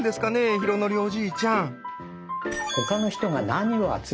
浩徳おじいちゃん。